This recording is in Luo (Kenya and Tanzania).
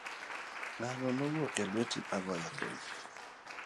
Ngano mowuok e lueti magoyo thum.